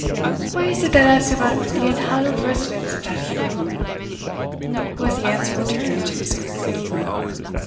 "Wha is it that asks about the unhallowed residence of that evil woman?" was the answer returned to his query.